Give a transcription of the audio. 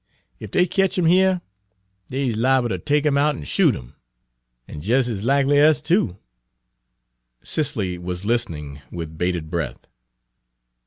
Ef dey ketch 'im yere, dey's liable ter take 'im out an' shoot 'im an' des ez lackly us too." Cicely was listening with bated breath.